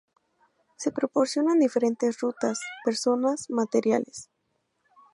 Se proporcionan diferentes rutas, personas, materiales.